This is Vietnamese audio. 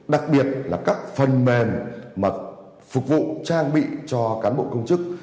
đặc biệt là các phần mềm phục vụ trang bị cho cán bộ công chức